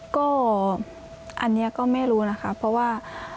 ก็อันนี้ก็ไม่รู้นะคะเพราะว่า